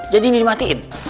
jadi ini dimatiin